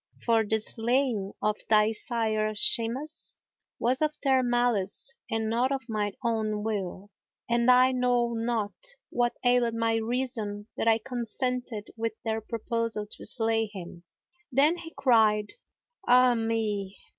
For the slaying of thy sire Shimas was of their malice and not of my own will, and I know not what ailed my reason that I consented with their proposal to slay him " Then he cried, "Ah me!"